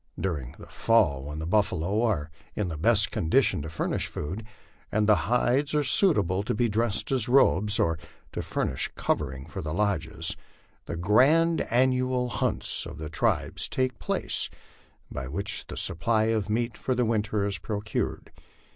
During the fall, when the buf faloes are in the best condition to furnish food, and the hides are suitable to be dressed as robes, or to furnish covering for the lodges, the grand annual hunts of the tribes take place, by which the supply of meat for the winter is pro cured.